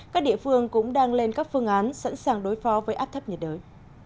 các địa phương cũng đang lên các phương án sẵn sàng đối phó với áp thấp nhiệt đới